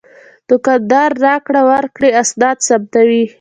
دوکاندار د راکړې ورکړې اسناد ثبتوي.